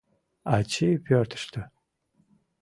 Ачий пӧртыштӧ.